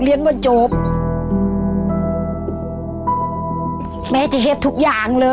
เอ้าแม่นูให้